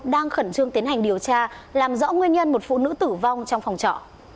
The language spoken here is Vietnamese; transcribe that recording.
đang khẩn trương tiến hành điều tra làm rõ nguyên nhân một phụ nữ tử vong trong phòng trọ